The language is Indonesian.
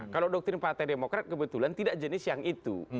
kalau doktrin partai demokrat kebetulan tidak jenis yang itu